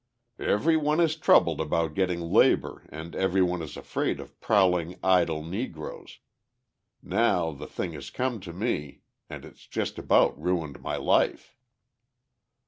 Everyone is troubled about getting labour and everyone is afraid of prowling idle Negroes. Now, the thing has come to me, and it's just about ruined my life."